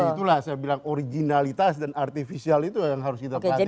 disitulah saya bilang originalitas dan artificial itu yang harus kita perhatikan